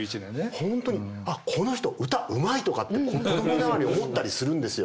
本当に「あこの人歌うまい」とかって子供ながらに思ったりするんですよ。